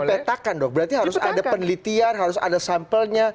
meletakan dok berarti harus ada penelitian harus ada sampelnya